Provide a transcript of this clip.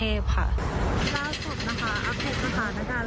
ล่าสุดนะคะอัพพุทธนะคะนะคะ